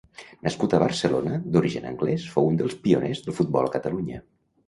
Nascut a Barcelona, d'origen anglès, fou un dels pioners del futbol a Catalunya.